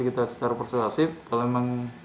maka akan kita rujuk ke rumah sakit jiwa